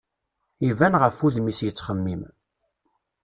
Iban ɣef wudem-is yettxemmim.